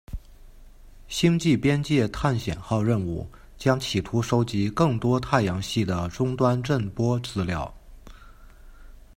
星际边界探险号任务将企图收集更多太阳系的终端震波资料。